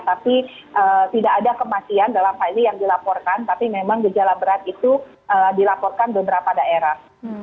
tapi tidak ada kematian dalam hal ini yang dilaporkan tapi memang gejala berat itu dilaporkan beberapa daerah